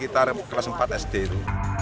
tarik kelas empat sd itu